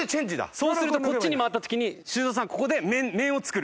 そうするとこっちに回った時に修造さんここで面を作る。